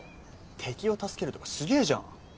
敵を助けるとかすげえじゃん。